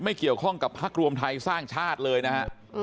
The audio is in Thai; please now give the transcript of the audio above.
เกี่ยวข้องกับพักรวมไทยสร้างชาติเลยนะฮะ